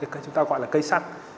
chúng ta gọi là cây sắt